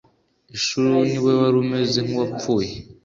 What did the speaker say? lshuluni we wari umeze nk’uwapfuye